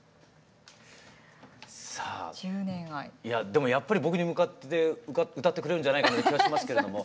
でもやっぱり僕に向かって歌ってくれるんじゃないかという気はしますけれども。